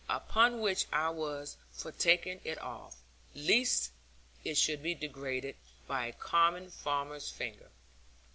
Upon which I was for taking it off, lest it should be degraded by a common farmer's finger.